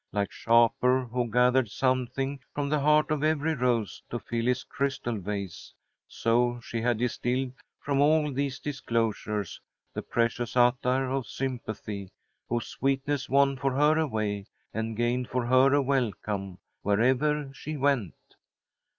Like Shapur, who gathered something from the heart of every rose to fill his crystal vase, so she had distilled from all these disclosures the precious attar of sympathy, whose sweetness won for her a way, and gained for her a welcome, wherever she went.